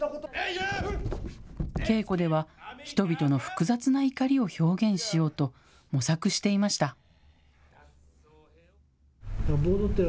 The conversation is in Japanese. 稽古では、人々の複雑な怒りを表現しようと、模索していました。